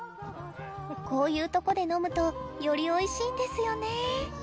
こういうとこで飲むとよりおいしいんですよね